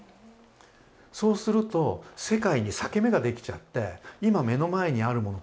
そうすると世界に裂け目が出来ちゃって今目の前にあるもの